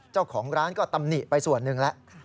เจ้าของร้านก็ตำหนิไปส่วนหนึ่งแล้ว